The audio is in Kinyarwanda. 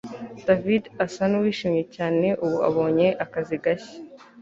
David asa nuwishimye cyane ubu abonye akazi gashya